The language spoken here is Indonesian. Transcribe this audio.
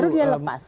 baru dia lepas